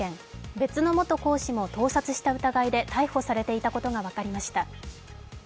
別の元講師も盗撮した疑いで逮捕されていたことが分かりました。